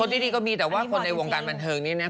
ดีก็มีแต่ว่าคนในวงการบันเทิงนี้นะ